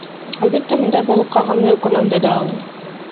Албетте, мындай болуп калганына өкүнөм, — деди ал.